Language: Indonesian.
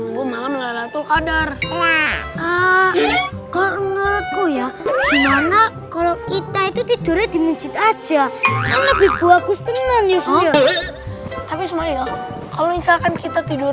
ngomong ngomong ya gimana kalau kita itu tidur aja lebih bagus tapi kalau misalkan kita tidur